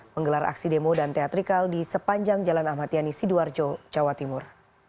menggelar aksi demo dan teatrikal di sepanjang jalan ahmad yani sidoarjo jawa timur